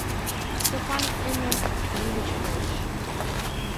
Стопан ӱмыр лугыч колыш.